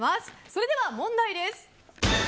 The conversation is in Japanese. それでは、問題です。